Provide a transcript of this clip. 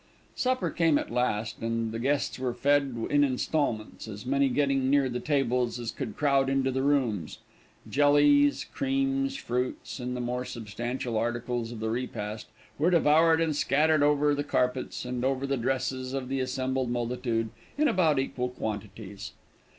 Supper came at last, and the guests were fed in installments, as many getting near the tables as could crowd into the rooms. Jellies, creams, fruits, and the more substantial articles of the repast, were devoured, and scattered over the carpets, and over the dresses of the assembled multitude, in about equal quantities.